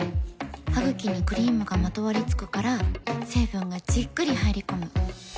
ハグキにクリームがまとわりつくから成分がじっくり入り込む。